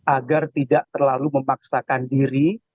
agar tidak terlalu memaksakan diri